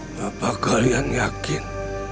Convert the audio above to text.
apakah kalian yakin